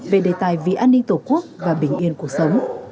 về đề tài vì an ninh tổ quốc và bình yên cuộc sống